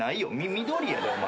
緑やでお前。